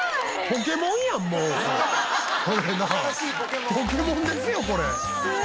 ポケモンですよこれ！